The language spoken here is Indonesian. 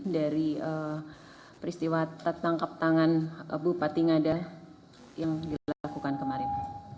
dari peristiwa tertangkap tangan bupati ngada yang dilakukan kemarin